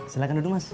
silahkan duduk mas